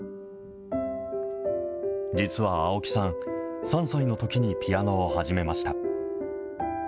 実は青木さん、３歳のときにピアノを始めました。